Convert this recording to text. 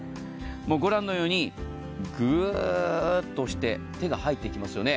御覧のように、グーッと押して手が入っていきますよね。